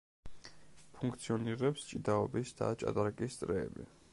ფუნქციონირებს ჭიდაობის და ჭადრაკის წრეები.